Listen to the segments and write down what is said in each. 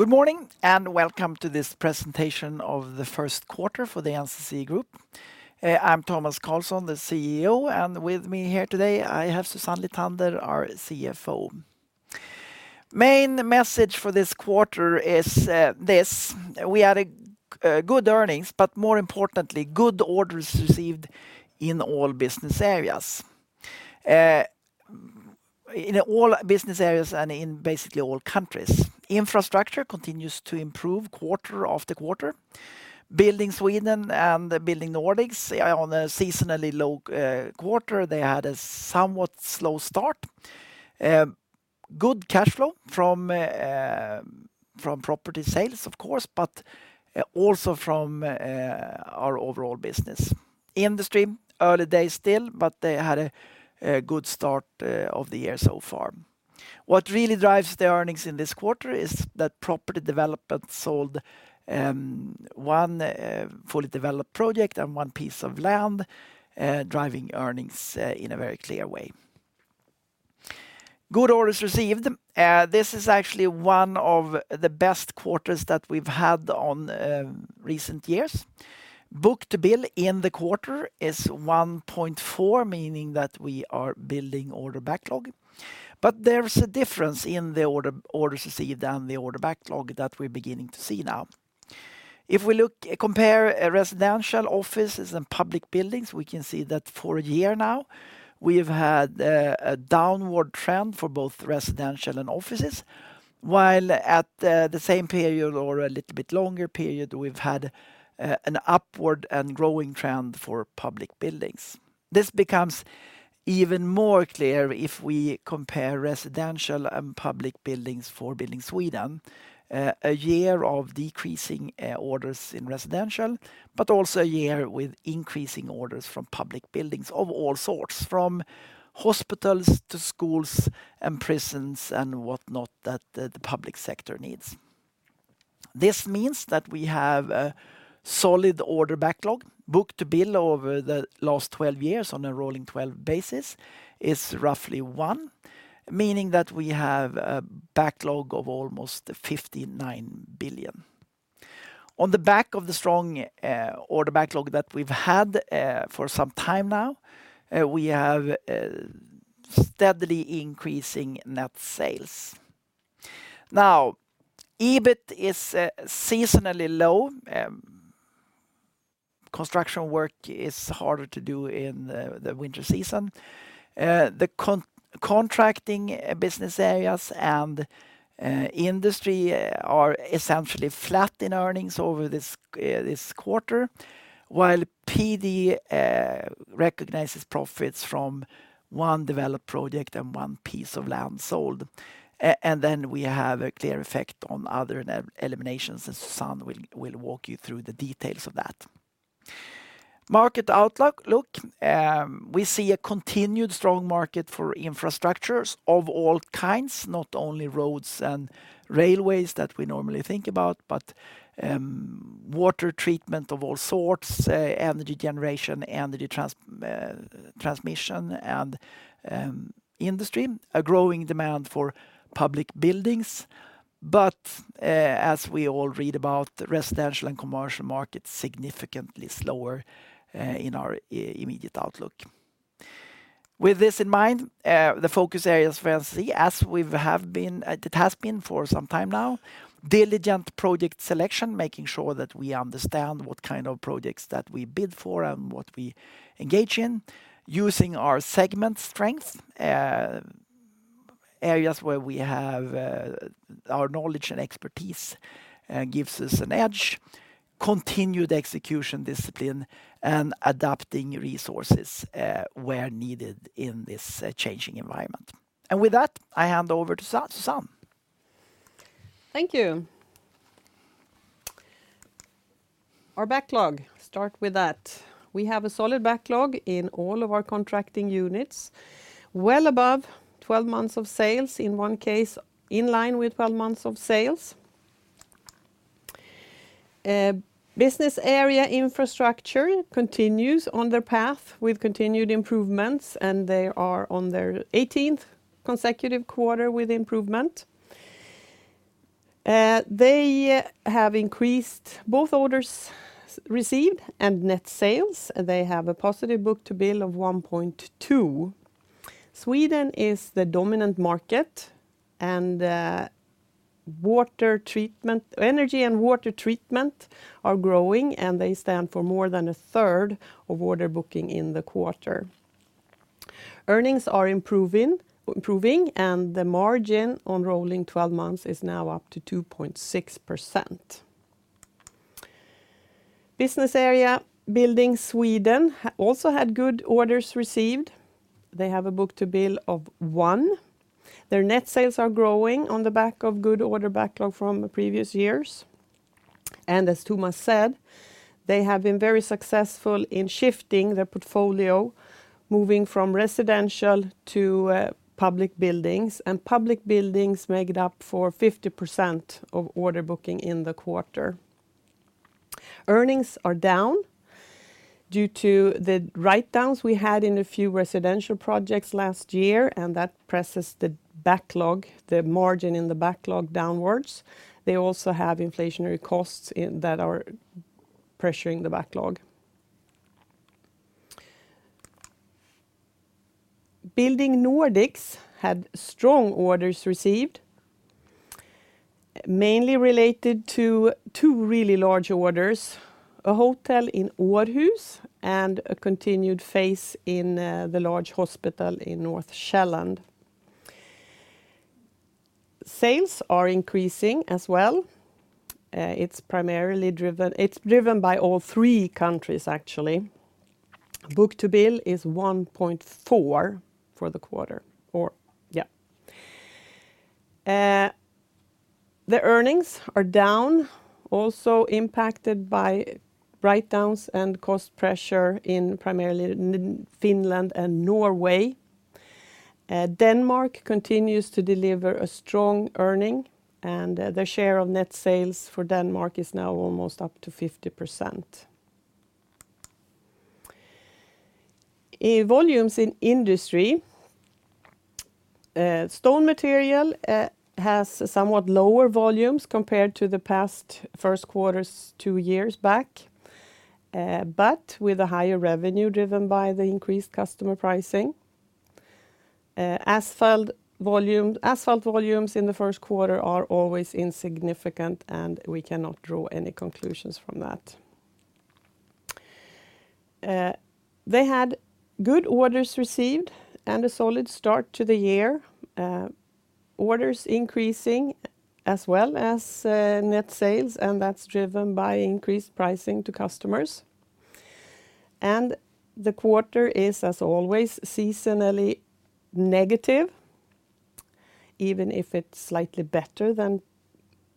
Good morning, welcome to this presentation of the first quarter for the NCC Group. I'm Tomas Carlsson, the CEO, with me here today, I have Susanne Lithander, our CFO. Main message for this quarter is good earnings, more importantly, good orders received in all business areas. In all business areas and in basically all countries. Infrastructure continues to improve quarter after quarter. Building Sweden and Building Nordics on a seasonally low quarter, they had a somewhat slow start. Good cash flow from property sales, of course, also from our overall business. Industry, early days still, they had a good start of the year so far. What really drives the earnings in this quarter is that Property Development sold, one fully developed project and one piece of land, driving earnings in a very clear way. Good orders received. This is actually one of the best quarters that we've had on recent years. Book-to-bill in the quarter is 1.4, meaning that we are building order backlog. There's a difference in the orders received and the order backlog that we're beginning to see now. If we compare Residential, Offices, and Public Buildings, we can see that for a year now, we've had a downward trend for both Residential and Offices, while at the same period or a little bit longer period, we've had an upward and growing trend for Public Buildings. This becomes even more clear if we compare Residential and Public Buildings for Building Sweden, a year of decreasing orders in Residential, but also a year with increasing orders from Public Buildings of all sorts, from hospitals to schools and prisons and whatnot that the public sector needs. This means that we have a solid order backlog. Book-to-bill over the last 12 years on a rolling 12 basis is roughly one, meaning that we have a backlog of almost 59 billion. On the back of the strong order backlog that we've had for some time now, we have steadily increasing net sales. EBIT is seasonally low. Construction work is harder to do in the winter season. The contracting business areas and Industry are essentially flat in earnings over this quarter, while PD recognizes profits from one developed project and one piece of land sold. We have a clear effect on other eliminations, and Susanne will walk you through the details of that. Market outlook. We see a continued strong market for infrastructures of all kinds, not only roads and railways that we normally think about, but water treatment of all sorts, energy generation, energy transmission, and Industry. A growing demand for public buildings. As we all read about, residential and commercial markets significantly slower in our immediate outlook. With this in mind, the focus areas for NCC, as it has been for some time now, diligent project selection, making sure that we understand what kind of projects that we bid for and what we engage in. Using our segment strength, areas where we have, our knowledge and expertise, gives us an edge. Continued execution discipline and adapting resources, where needed in this changing environment. With that, I hand over to Susanne. Thank you. Our backlog, start with that. We have a solid backlog in all of our contracting units, well above 12 months of sales, in one case in line with 12 months of sales. Business area Infrastructure continues on their path with continued improvements, and they are on their 18th consecutive quarter with improvement. They have increased both orders received and net sales. They have a positive book-to-bill of 1.2. Sweden is the dominant market, and energy and water treatment are growing, and they stand for more than a third of order booking in the quarter. Earnings are improving, and the margin on rolling 12 months is now up to 2.6%. Business area Building Sweden also had good orders received. They have a book-to-bill of 1. Their net sales are growing on the back of good order backlog from the previous years. As Tomas said, they have been very successful in shifting their portfolio, moving from residential to public buildings. Public buildings made up for 50% of order booking in the quarter. Earnings are down due to the write-downs we had in a few residential projects last year. That presses the backlog, the margin in the backlog downwards. They also have inflationary costs that are pressuring the backlog. Building Nordics had strong orders received, mainly related to two really large orders: a hotel in Aarhus and a continued phase in the large hospital in North Zealand. Sales are increasing as well. It's driven by all three countries, actually. Book-to-bill is 1.4 for the quarter or, yeah. The earnings are down, also impacted by write-downs and cost pressure in primarily in Finland and Norway. Denmark continues to deliver a strong earning, and the share of net sales for Denmark is now almost up to 50%. In volumes in Industry, stone material has somewhat lower volumes compared to the past first quarters 2 years back, but with a higher revenue driven by the increased customer pricing. Asphalt volumes in the first quarter are always insignificant, and we cannot draw any conclusions from that. They had good orders received and a solid start to the year. Orders increasing as well as net sales, and that's driven by increased pricing to customers. The quarter is, as always, seasonally negative, even if it's slightly better than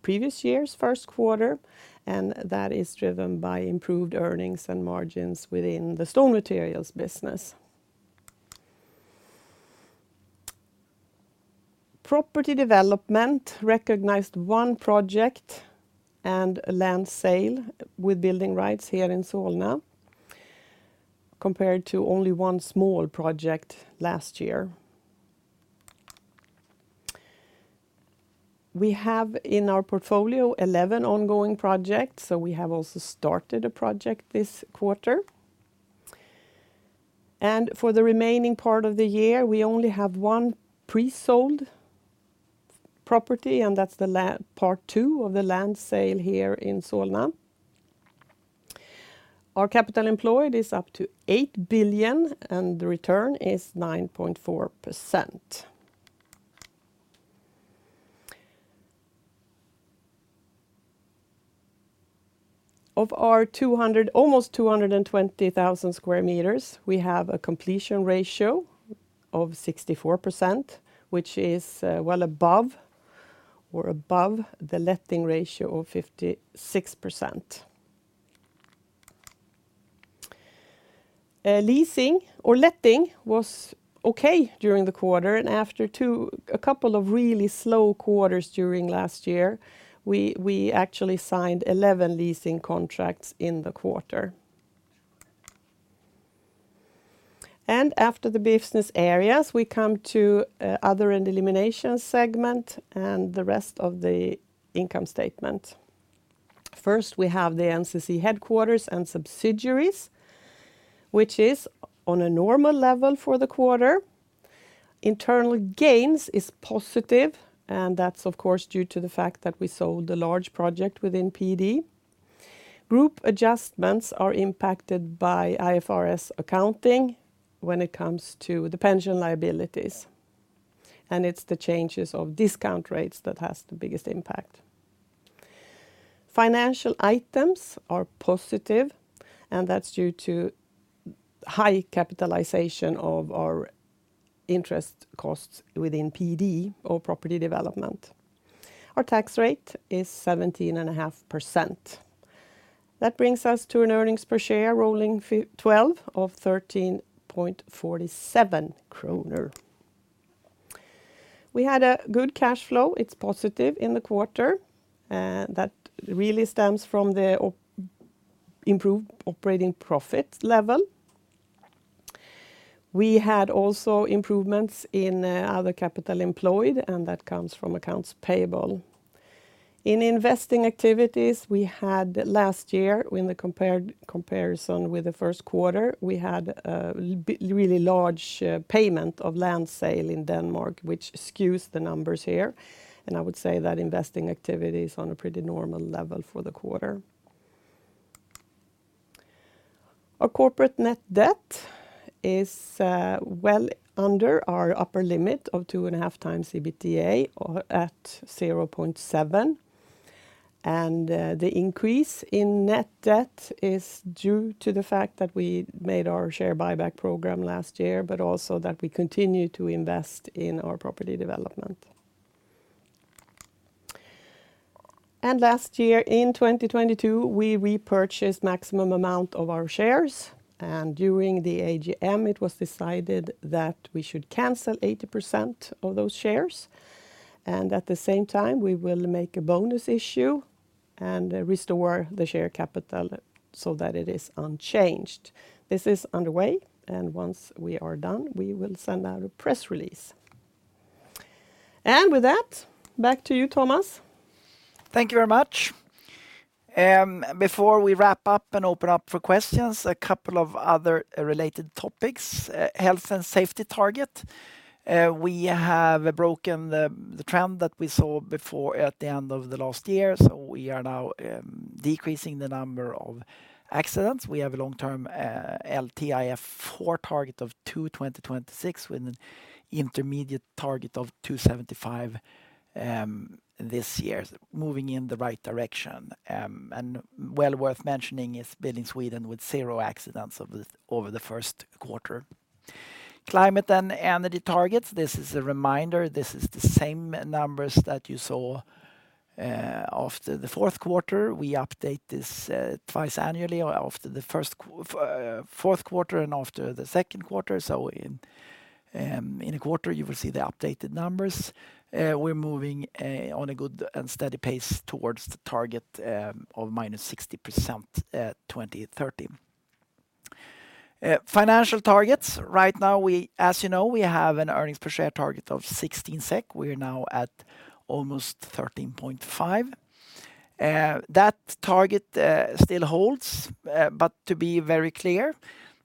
previous years' first quarter, and that is driven by improved earnings and margins within the stone materials business. Property Development recognized one project and a land sale with building rights here in Solna compared to only one small project last year. We have in our portfolio 11 ongoing projects, so we have also started a project this quarter. For the remaining part of the year, we only have one pre-sold property, and that's part two of the land sale here in Solna. Our capital employed is up to 8 billion, and the return is 9.4%. Of our 200, almost 220,000 square meters, we have a completion ratio of 64%, which is well above or above the letting ratio of 56%. Leasing or letting was okay during the quarter, after a couple of really slow quarters during last year, we actually signed 11 leasing contracts in the quarter. After the business areas, we come to other and elimination segment and the rest of the income statement. First, we have the NCC headquarters and subsidiaries, which is on a normal level for the quarter. Internal gains is positive, that's of course due to the fact that we sold a large project within PD. Group adjustments are impacted by IFRS accounting when it comes to the pension liabilities, it's the changes of discount rates that has the biggest impact. Financial items are positive, that's due to high capitalization of our interest costs within PD or property development. Our tax rate is 17.5%. That brings us to an earnings per share rolling 12 of 13.47 kroner. We had a good cash flow. It's positive in the quarter. That really stems from the improved operating profit level. We had also improvements in other capital employed, and that comes from accounts payable. In investing activities we had last year when the comparison with the first quarter, we had a really large payment of land sale in Denmark, which skews the numbers here. I would say that investing activity is on a pretty normal level for the quarter. Our corporate net debt is well under our upper limit of 2.5 times EBITDA or at 0.7. The increase in net debt is due to the fact that we made our share buyback program last year, but also that we continue to invest in our property development. Last year, in 2022, we repurchased maximum amount of our shares, and during the AGM, it was decided that we should cancel 80% of those shares. At the same time, we will make a bonus issue and restore the share capital so that it is unchanged. This is underway, and once we are done, we will send out a press release. With that, back to you, Tomas. Thank you very much. Before we wrap up and open up for questions, a couple of other related topics. Health and safety target. We have broken the trend that we saw before at the end of the last year, we are now decreasing the number of accidents. We have a long-term LTIF 4 target of 2.20 2026 with an intermediate target of 2.75 this year. Moving in the right direction, well worth mentioning is NCC Building Sweden with zero accidents over the first quarter. Climate and energy targets. This is a reminder, this is the same numbers that you saw after the fourth quarter. We update this twice annually after the fourth quarter and after the second quarter. In a quarter, you will see the updated numbers. We're moving on a good and steady pace towards the target of -60%, 2030. Financial targets. Right now, as you know, we have an earnings per share target of 16 SEK. We are now at almost 13.5. That target still holds. To be very clear,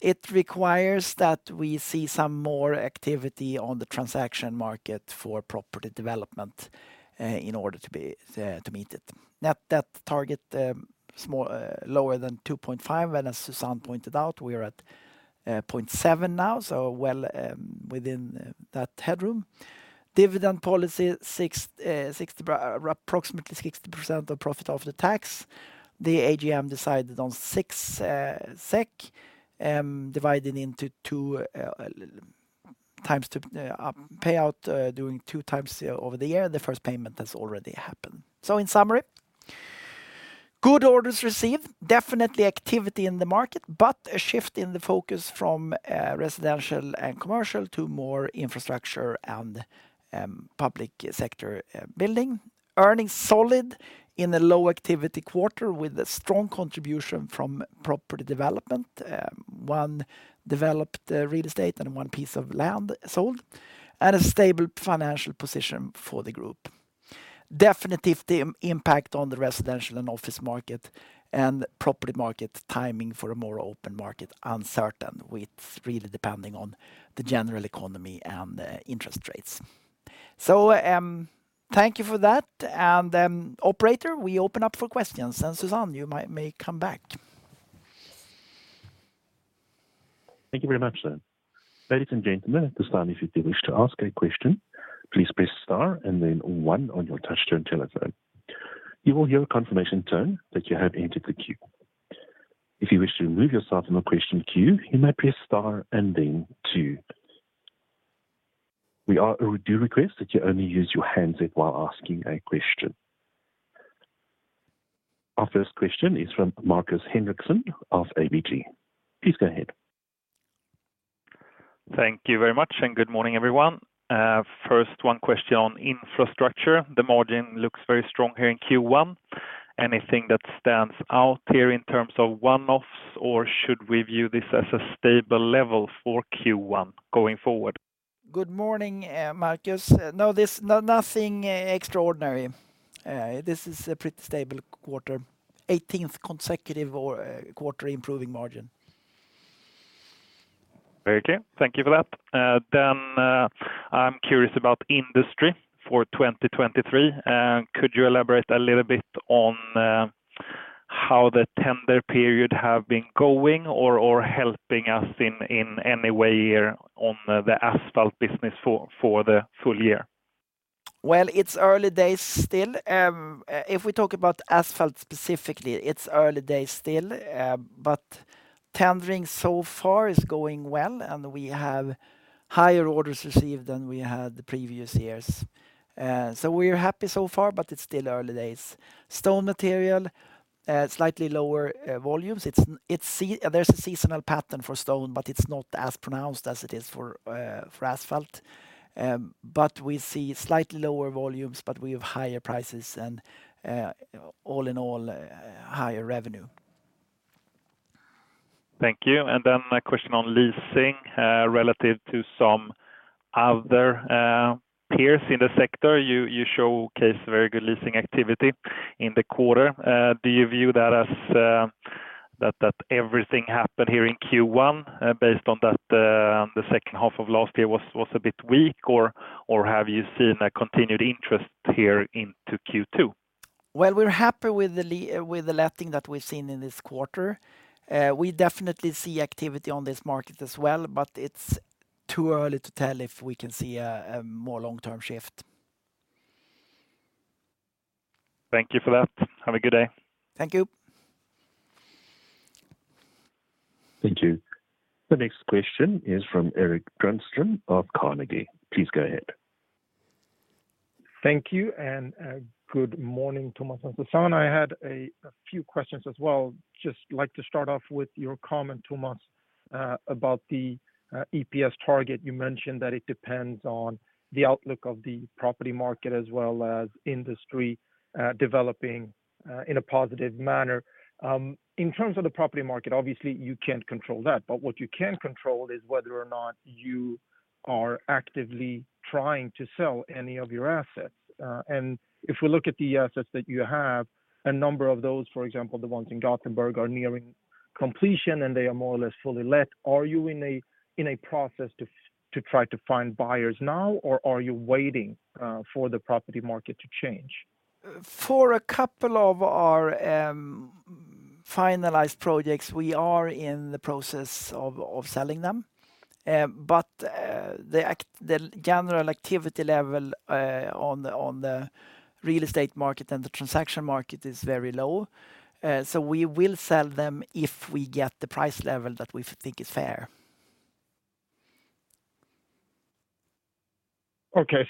it requires that we see some more activity on the transaction market for property development in order to meet it. Net debt target, lower than 2.5. As Susanne pointed out, we are at 0.7 now, so well within that headroom. Dividend policy, approximately 60% of profit after tax. The AGM decided on 6 SEK, divided into 2 times payout during 2 times over the year. The first payment has already happened. In summary, good orders received. Definitely activity in the market, but a shift in the focus from residential and commercial to more Infrastructure and public sector building. Earnings solid in a low activity quarter with a strong contribution from Property Development. One developed real estate and one piece of land sold, and a stable financial position for the group. Definite impact on the residential and office market and property market timing for a more open market uncertain, with really depending on the general economy and the interest rates. Thank you for that. Operator, we open up for questions. Susanne, you may come back. Thank you very much, sir. Ladies and gentlemen, at this time, if you wish to ask a question, please press star and then one on your touchtone telephone. You will hear a confirmation tone that you have entered the queue. If you wish to remove yourself from the question queue, you may press star and then two. We do request that you only use your hands while asking a question. Our first question is from Markus Henriksson of ABG. Please go ahead. Thank you very much, and good morning, everyone. First, 1 question on Infrastructure. The margin looks very strong here in Q1. Anything that stands out here in terms of one-offs, or should we view this as a stable level for Q1 going forward? Good morning, Markus. No, nothing extraordinary. This is a pretty stable quarter. Eighteenth consecutive quarter improving margin. Very clear. Thank you for that. I'm curious about Industry for 2023. Could you elaborate a little bit on how the tender period have been going or helping us in any way here on the asphalt business for the full year? Well, it's early days still. If we talk about asphalt specifically, it's early days still. Tendering so far is going well, and we have higher orders received than we had the previous years. We're happy so far, but it's still early days. Stone material, slightly lower volumes. There's a seasonal pattern for stone, but it's not as pronounced as it is for asphalt. We see slightly lower volumes, but we have higher prices and, all in all, higher revenue. Thank you. A question on leasing, relative to some other, peers in the sector. You showcase very good leasing activity in the quarter. Do you view that as that everything happened here in Q1, based on that the second half of last year was a bit weak, or have you seen a continued interest here into Q2? Well, we're happy with the letting that we've seen in this quarter. We definitely see activity on this market as well, but it's too early to tell if we can see a more long-term shift. Thank you for that. Have a good day. Thank you. Thank you. The next question is from Erik Granström of Carnegie. Please go ahead. Thank you and, good morning, Tomas and Susanne. I had a few questions as well. Just like to start off with your comment, Tomas. About the EPS target, you mentioned that it depends on the outlook of the property market as well as Industry developing in a positive manner. In terms of the property market, obviously you can't control that, but what you can control is whether or not you are actively trying to sell any of your assets. If we look at the assets that you have, a number of those, for example, the ones in Gothenburg are nearing completion, and they are more or less fully let. Are you in a process to try to find buyers now, or are you waiting for the property market to change? For a couple of our finalized projects, we are in the process of selling them. The general activity level on the real estate market and the transaction market is very low. We will sell them if we get the price level that we think is fair. Okay.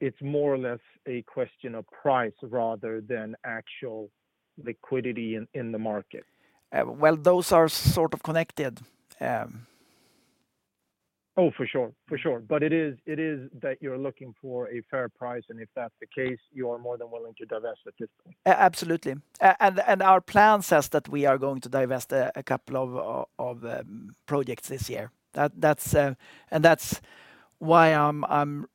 It's more or less a question of price rather than actual liquidity in the market. Well, those are sort of connected. Oh, for sure. For sure. It is that you're looking for a fair price, and if that's the case, you are more than willing to divest at this point. Absolutely. Our plan says that we are going to divest a couple of projects this year. That's why I'm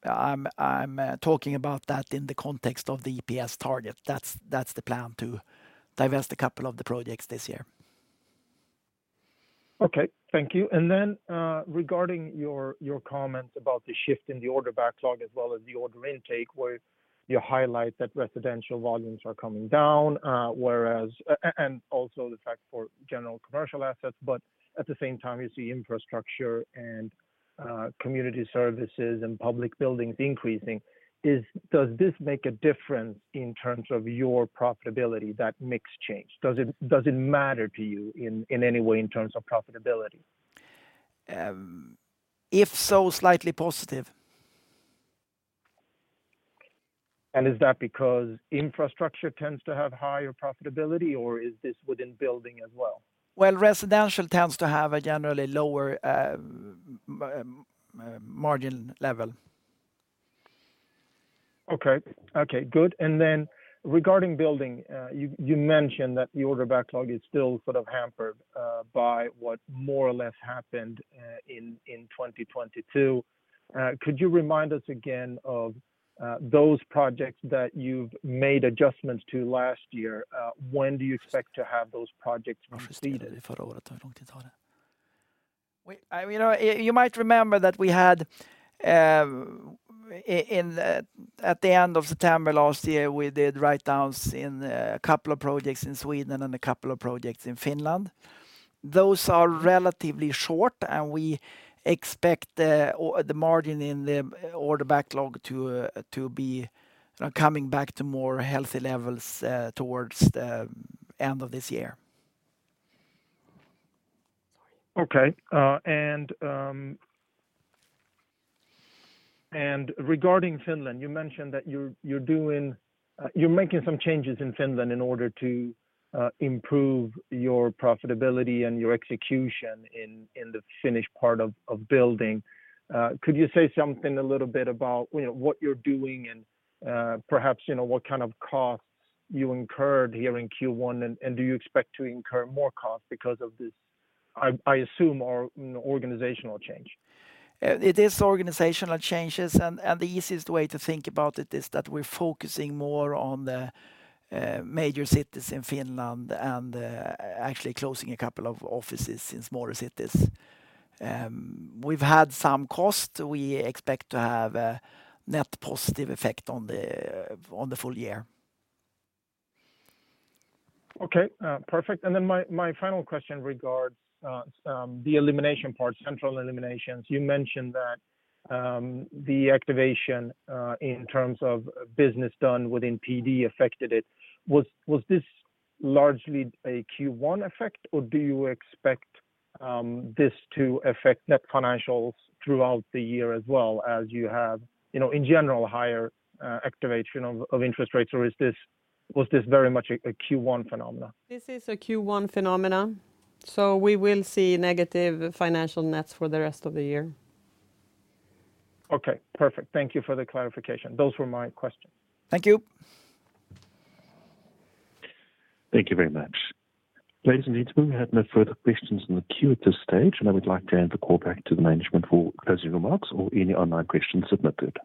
talking about that in the context of the EPS target. That's the plan to divest a couple of the projects this year. Okay. Thank you. Then, regarding your comments about the shift in the order backlog as well as the order intake, where you highlight that residential volumes are coming down, and also the fact for general commercial assets. At the same time, you see infrastructure and community services and public buildings increasing. Does this make a difference in terms of your profitability, that mix change? Does it matter to you in any way in terms of profitability? If so, slightly positive. Is that because Infrastructure tends to have higher profitability, or is this within Building as well? Residential tends to have a generally lower margin level. Okay. Okay. Good. Regarding building, you mentioned that the order backlog is still sort of hampered by what more or less happened in 2022. Could you remind us again of those projects that you've made adjustments to last year? When do you expect to have those projects completed? You know, you might remember that we had in at the end of September last year, we did write-downs in a couple of projects in Sweden and a couple of projects in Finland. Those are relatively short, and we expect the margin in the order backlog to be, you know, coming back to more healthy levels towards the end of this year. Okay. Regarding Finland, you mentioned that you're making some changes in Finland in order to improve your profitability and your execution in the Finnish part of building. Could you say something a little bit about, you know, what you're doing and perhaps, you know, what kind of costs you incurred here in Q1, and do you expect to incur more costs because of this, I assume, or, you know, organizational change? It is organizational changes. The easiest way to think about it is that we're focusing more on the major cities in Finland and actually closing a couple of offices in smaller cities. We've had some cost. We expect to have a net positive effect on the full year. Okay. Perfect. My final question regards some, the elimination part, central eliminations. You mentioned that the activation in terms of business done within PD affected it. Was this largely a Q1 effect, or do you expect this to affect net financials throughout the year as well as you have, you know, in general, higher activation of interest rates, or was this very much a Q1 phenomena? This is a Q1 phenomena. We will see negative financial nets for the rest of the year. Okay. Perfect. Thank you for the clarification. Those were my questions. Thank you. Thank you very much. Ladies and gentlemen, we have no further questions in the queue at this stage. I would like to hand the call back to the management for closing remarks or any online questions submitted.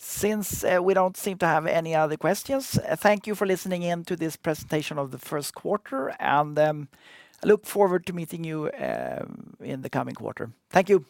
Since we don't seem to have any other questions, thank you for listening in to this presentation of the first quarter, and look forward to meeting you in the coming quarter. Thank you.